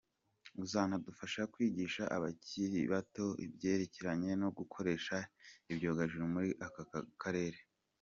Uzanadufasha kwigisha abakiri bato ibyerekeranye no gukoresha ibyogajuru muri aka karere.